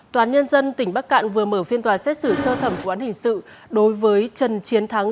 tòa án nhân dân tỉnh bắc cạn vừa mở phiên tòa xét xử sơ thẩm vụ án hình sự đối với trần chiến thắng